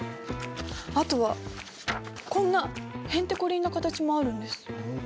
あとはこんなへんてこりんな形もあるんです。